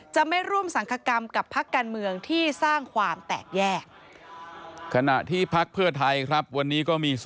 จะไม่ร่วมสังคกรรมกับพักการเมืองที่สร้างความแตกแยก